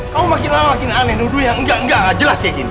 kamu makin lama makin aneh nuduh yang enggak enggak jelas kayak gini